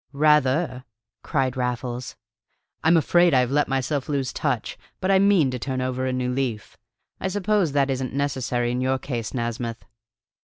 "Rather!" cried Raffles. "I'm afraid I have let myself lose touch, but I mean to turn over a new leaf. I suppose that isn't necessary in your case, Nasmyth?"